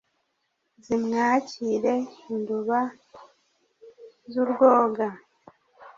Zimwakire induba z'urwoga.